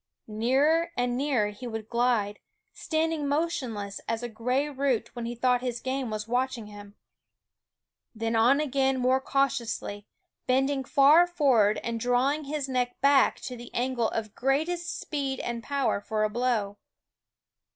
Nearer and nearer he would glide, standing motionless as a gray root when he thought his game was watching THE WOODS him; then on again more cautiously, bending far forward and drawing his neck back to ^,,, Quoskh /fie the angle of greatest speed and power for a ^^Keen Eyed blow.